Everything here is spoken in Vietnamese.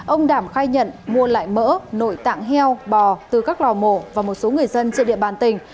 ông đảm khai nhận mua lại mỡ nội tạng heo bò từ các lò mổ và một số người dân trên địa bàn tỉnh